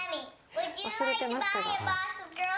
忘れてましたが。